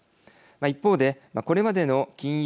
一方でこれまでの金融